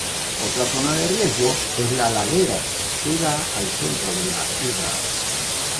Otra zona de riesgo es la ladera que da al centro de la ciudad.